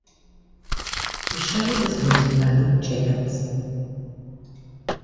The show is hosted by Luke Jacobz.